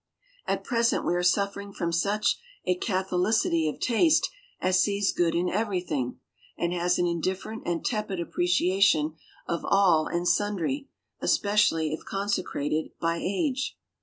At present we are suffering from such a catholicity of taste as sees good in everything, and has an indifferent and tepid appreciation of all and sundry, especially if consecrated by age.